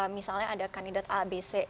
misalnya ada kandidat a b c